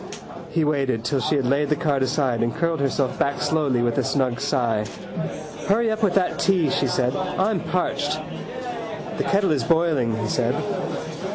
He waited till she had laid the card aside and curled herself back slowly with a snug sigh. —Hurry up with that tea, she said. I'm parched. —The kettle is boiling, he said.